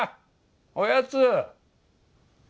おやつ。